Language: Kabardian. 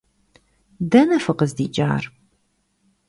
Дэнэ фыкъыздикӀар?